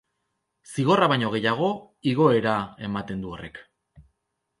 Zigorra baino gehiago, igoera ematen du horrek.